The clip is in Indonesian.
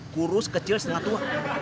kurus kecil setengah tua